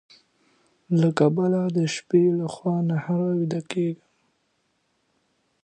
له کبله د شپې لخوا نهر ويده کيږي.